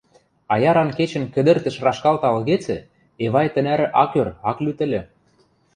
Аяран кечӹн кӹдӹртӹш рашкалта ылгецӹ, Эвай тӹнӓрӹ ак ӧр, ак лӱд ыльы.